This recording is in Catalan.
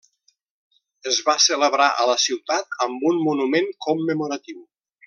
Es va celebrar a la ciutat amb un monument commemoratiu.